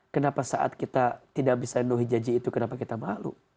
kenapa saat kita tidak bisa menuhi janji itu kenapa kita malu